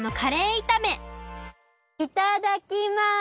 いただきます！